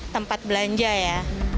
tempat belanja ya